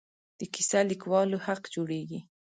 د کیسه لیکوالو حق جوړېږي.